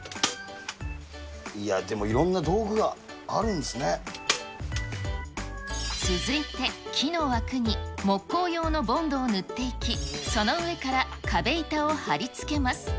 いや、でもいろんな道具があるん続いて、木の枠に木工用のボンドを塗っていき、その上から壁板を貼り付けます。